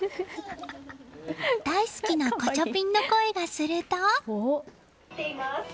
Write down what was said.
大好きなガチャピンの声がすると。